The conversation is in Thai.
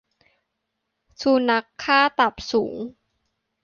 สุนัขค่าตับสูง